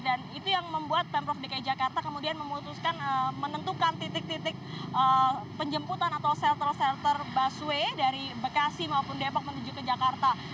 itu yang membuat pemprov dki jakarta kemudian memutuskan menentukan titik titik penjemputan atau shelter shelter busway dari bekasi maupun depok menuju ke jakarta